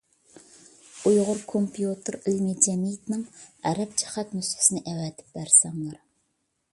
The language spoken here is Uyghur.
ئۇيغۇر كومپيۇتېر ئىلمى جەمئىيىتىنىڭ ئەرەبچە خەت نۇسخىسىنى ئەۋەتىپ بەرسەڭلار.